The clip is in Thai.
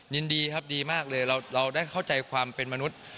ยินดีครับดีมากเลยเราได้เข้าใจความเป็นมนุษย์